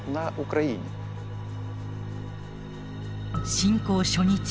侵攻初日